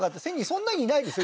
そんなにいないですよ